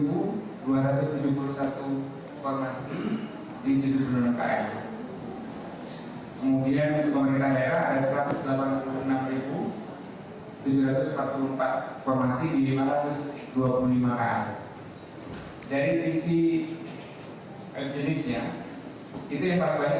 untuk pemerintah pusat ada lima puluh satu dua ratus tujuh puluh satu formasi di tujuh ratus dua puluh sembilan km